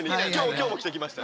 今日も着てきました。